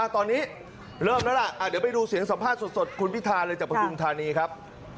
ตอนนี้เริ่มแล้วล่ะเดี๋ยวไปดูเสียงสัมภาษณ์สดคุณพิธาเลยจากประทุมธานีครับ